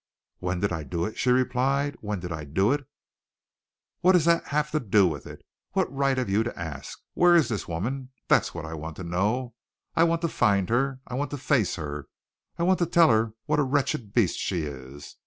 "When did I do it?" she replied. "When did I do it? What has that to do with it? What right have you to ask? Where is this woman, that's what I want to know? I want to find her. I want to face her. I want to tell her what a wretched beast she is.